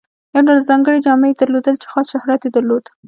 یو ډول ځانګړې جامې یې درلودې چې خاص شهرت یې درلود.